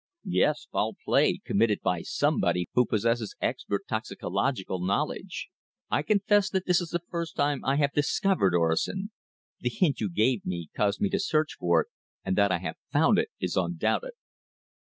"Yes, foul play, committed by somebody who possesses expert toxicological knowledge. I confess that this is the first time I have discovered orosin. The hint you gave me caused me to search for it, and that I have found it is undoubted."